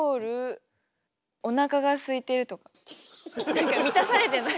何か満たされてない。